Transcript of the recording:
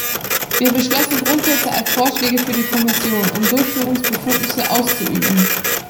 Wir beschlossen Grundsätze als Vorschläge für die Kommission, um Durchführungsbefugnisse auszuüben.